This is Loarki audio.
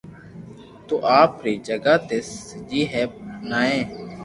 تو آپ ري جگھ تي سڄي ھي بائي